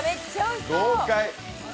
豪快！